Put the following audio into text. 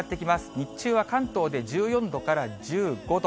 日中は関東で１４度から１５度。